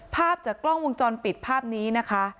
ภาพจากกล้องวงจรปิดภาพนี้นะคะ